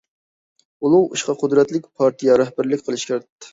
ئۇلۇغ ئىشقا قۇدرەتلىك پارتىيە رەھبەرلىك قىلىشى شەرت.